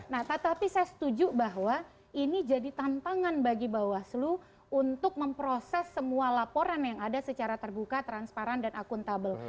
nah tetapi saya setuju bahwa ini jadi tantangan bagi bawaslu untuk memproses semua laporan yang ada secara terbuka transparan dan akuntabel